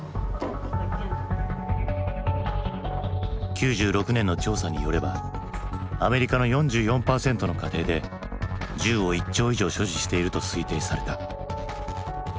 ９６年の調査によればアメリカの４４％の家庭で銃を１丁以上所持していると推定された。